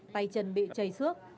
tay chân bị chây xước